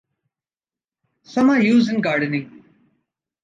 Some are used in gardening.